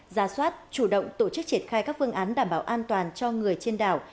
ra soát chủ động tổ chức triển khai các phương án đảm bảo an toàn cho người trên đảo